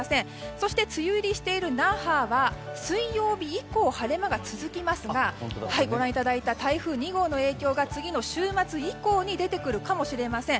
そして梅雨入りしている那覇は水曜日以降、晴れ間が続きますがご覧いただいた台風２号の影響が次の週末以降に出てくるかもしれません。